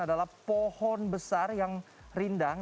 adalah pohon besar yang rindang